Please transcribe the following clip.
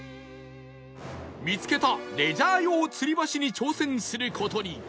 見つけたレジャー用吊り橋に挑戦する事に